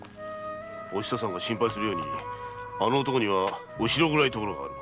お久さんが心配するようにあの男には後ろ暗いところがある。